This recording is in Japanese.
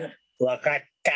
「分かった。